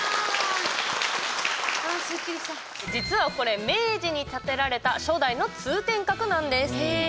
実は、これ明治に建てられた初代の通天閣なんです。